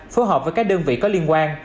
phù hợp với các đơn vị có liên quan